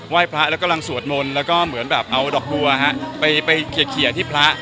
ยพระแล้วกำลังสวดมนต์แล้วก็เหมือนแบบเอาดอกบัวฮะไปเคลียร์ที่พระ